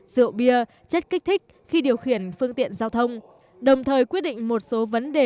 rượu bia chất kích thích khi điều khiển phương tiện giao thông đồng thời quyết định một số vấn đề